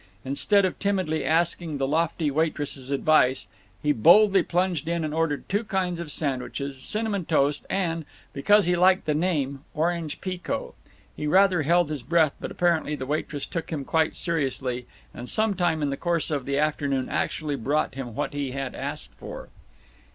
Instead of timidly asking the lofty waitress's advice, he boldly plunged in and ordered two kinds of sandwiches, cinnamon toast, and, because he liked the name, orange pekoe. He rather held his breath, but apparently the waitress took him quite seriously, and some time in the course of the afternoon actually brought him what he had asked for.